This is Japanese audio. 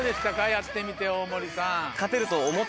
やってみて大森さん。